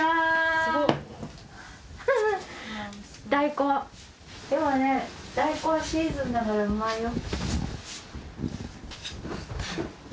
大根、今大根シーズンだからうまいよ。